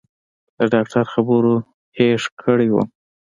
د ډاکتر خبرو هېښ کړى وم.